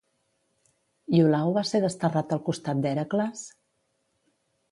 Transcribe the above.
Iolau va ser desterrat al costat d'Hèracles?